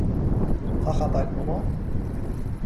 Facharbeit Nr.